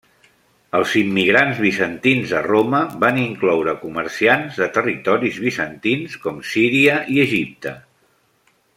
Els immigrants bizantins a Roma van incloure comerciants de territoris bizantins com Síria i Egipte.